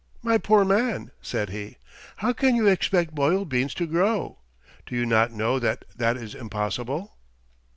"My poor man," said he, "how can you expect boiled beans to grow? Do you not know that that is impossible?"